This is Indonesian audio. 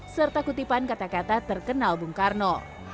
serta kutipan kata kata terkenal bung karno